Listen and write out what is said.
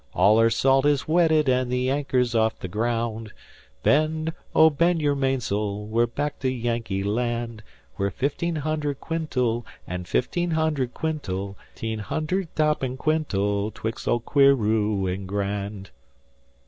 All our salt is wetted, an' the anchor's off the graound! Bend, oh, bend your mains'l, we're back to Yankeeland With fifteen hunder' quintal, An' fifteen hunder' quintal, 'Teen hunder' toppin' quintal, 'Twix' old 'Queereau an' Grand."